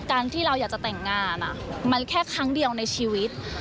การที่เราอยากจะแต่งงานมันแค่ครั้งเดียวในชีวิต